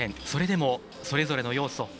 それでも、それぞれの要素